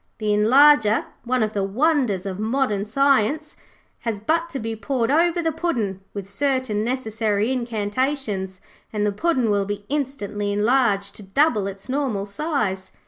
The Enlarger, one of the wonders of modern science, has but to be poured over the puddin', with certain necessary incantations, and the puddin' will be instantly enlarged to double its normal size.'